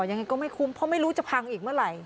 ยังไงก็ไม่คุ้มเพราะไม่รู้จะพังอีกเมื่อไหร่